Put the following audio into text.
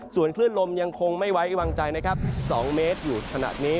ส่วนคลื่นลมยังคงไม่ไว้วางใจนะครับ๒เมตรอยู่ขนาดนี้